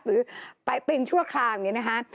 หรือเป็นชั่วครามอย่างนี้นะคะ